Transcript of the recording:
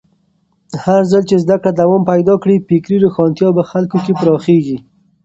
هرځل چې زده کړه دوام پیدا کړي، فکري روښانتیا په خلکو کې پراخېږي.